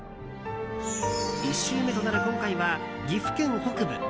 １週目となる今回は岐阜県北部。